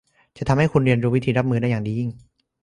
จะทำให้คุณเรียนรู้วิธีรับมือได้ดียิ่งขึ้น